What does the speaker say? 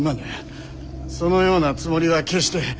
そのようなつもりは決して。